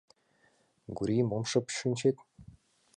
— Гурий, мом шып шинчет?